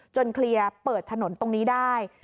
เคลียร์เปิดถนนตรงนี้ได้